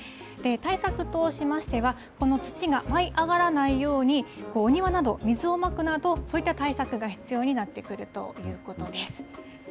対策としましては、この土が舞い上がらないように、お庭など、水をまくなど、そういった対策が必要になってくるということです。